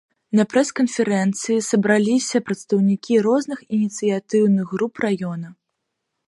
На прэс-канферэнцыі сабраліся прадстаўнікі розных ініцыятыўных груп раёна.